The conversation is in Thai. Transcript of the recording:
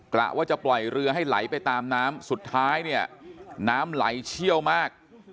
กะว่าจะปล่อยเรือให้ไหลไปตามน้ำสุดท้ายเนี่ยน้ำไหลเชี่ยวมาก